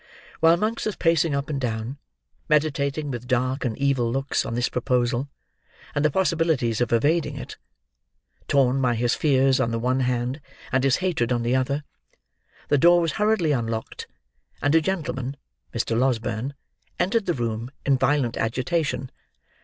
While Monks was pacing up and down, meditating with dark and evil looks on this proposal and the possibilities of evading it: torn by his fears on the one hand and his hatred on the other: the door was hurriedly unlocked, and a gentleman (Mr. Losberne) entered the room in violent agitation.